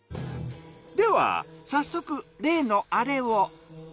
では早速例のアレを。